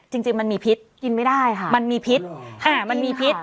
จริงมันมีพิษกินไม่ได้ค่ะมันมีพิษมันมีพิษ